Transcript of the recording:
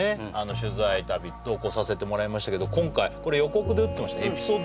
取材旅同行させてもらいましたけどこれ予告でうってました